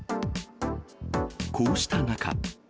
こうした中。